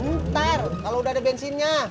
ntar kalau udah ada bensinnya